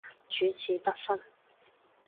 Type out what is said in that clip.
主次不分